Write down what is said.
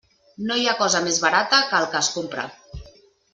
No hi ha cosa més barata que el que es compra.